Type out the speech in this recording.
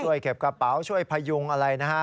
เก็บกระเป๋าช่วยพยุงอะไรนะฮะ